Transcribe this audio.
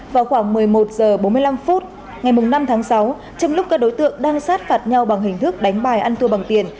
vào khoảng một mươi một h bốn mươi năm phút ngày năm tháng sáu trong lúc các đối tượng đang sát phạt nhau bằng hình thức đánh bài ăn thua bằng tiền